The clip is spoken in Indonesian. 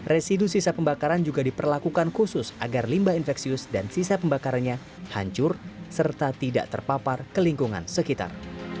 residu sisa pembakaran juga diperlakukan khusus agar limbah infeksius dan sisa pembakarannya hancur serta tidak terpapar ke lingkungan sekitar